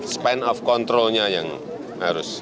span of controlnya yang harus